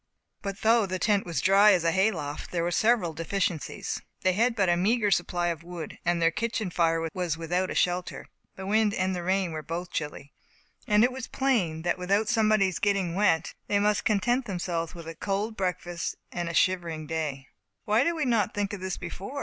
But, though the tent was dry as a hay loft, there were several deficiencies. They had but a meagre supply of wood, and their kitchen fire was without a shelter. The wind and rain were both chilly; and, it was plain, that without somebody's getting wet they must content themselves with a cold breakfast, and a shivering day. "Why did we not think of this before?"